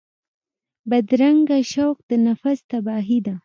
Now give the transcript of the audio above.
بدرنګه شوق د نفس تباهي ده